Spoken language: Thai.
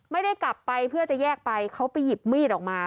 ไม่ได้กลับไปเพื่อจะแยกไปเขาไปหยิบมีดออกมา